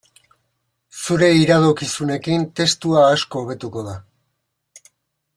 Zure iradokizunekin testua asko hobetuko da.